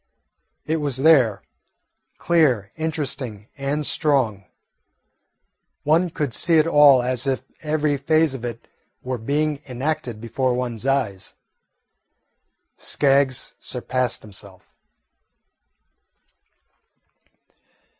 It was there clear, interesting, and strong. One could see it all as if every phase of it were being enacted before one's eyes. Skaggs surpassed himself.